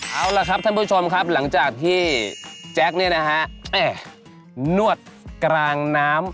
เอาล่ะครับท่านผู้ชมครับหลังจากที่แจ๊คเนี่ยนะฮะนวดกลางน้ำ